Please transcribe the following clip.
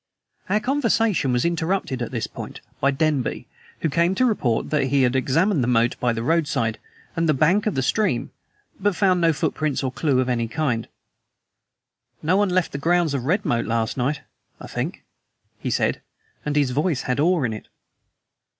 Our conversation was interrupted at this point by Denby, who came to report that he had examined the moat, the roadside, and the bank of the stream, but found no footprints or clew of any kind. "No one left the grounds of Redmoat last night, I think," he said. And his voice had awe in it.